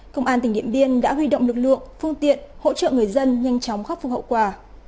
công an tỉnh điện biên đã huy động lực lượng phương tiện hỗ trợ người dân nhanh chóng khắc phục hậu quả